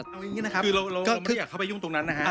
คือเราไม่อยากเข้าไปยุ่งตรงนั้นนะฮะ